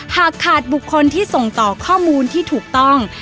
หากขาดบุคคลที่ส่งต่อข้อมูลที่ถูกต้อง